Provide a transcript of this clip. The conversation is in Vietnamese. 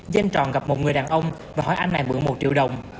danh tròn gặp một người đàn ông và hỏi anh này mượn một triệu đồng